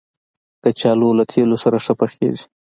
کچالو له تېلو سره ښه پخېږي